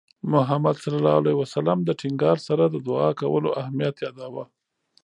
محمد صلى الله عليه وسلم د ټینګار سره د دُعا کولو اهمیت یاداوه.